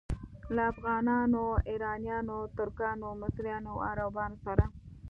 له افغانانو، ایرانیانو، ترکانو، مصریانو او عربانو سره.